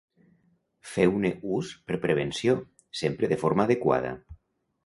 Feu-ne ús per prevenció, sempre de forma adequada.